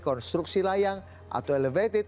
konstruksi layang atau elevated